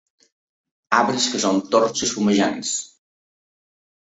Arbres que són torxes fumejants.